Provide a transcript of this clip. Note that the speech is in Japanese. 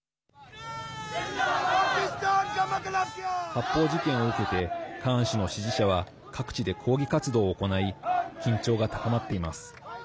発砲事件を受けてカーン氏の支持者は各地で抗議活動を行い緊張が高まっています。